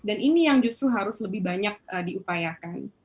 dan ini yang justru harus lebih banyak diupayakan